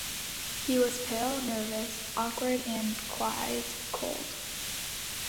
He was pale, nervous, awkward, and quite cold.